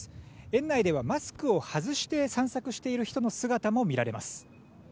園内では、マスクを外して散策している人の姿も見られます。